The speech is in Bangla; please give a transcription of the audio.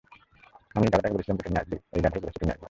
আমি এই গাধাকে বলছিলাম যে তুমি আসবেই, এই গাধাই বলেছে তুমি আসবে না।